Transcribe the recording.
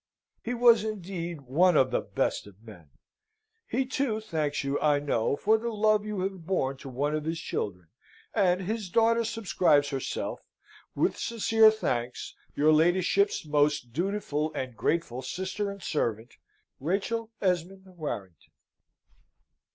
He was, indeed, one of the best of men! He, too, thanks you, I know, for the love you have borne to one of his children; and his daughter subscribes herself, With sincere thanks, your ladyship's most dutiful and grateful sister and servant, RACHEL ESMOND WN.